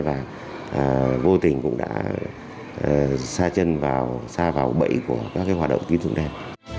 và vô tình cũng đã xa chân vào bẫy của các hoạt động tín dụng đen